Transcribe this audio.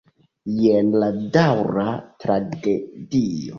Jen la daŭra tragedio.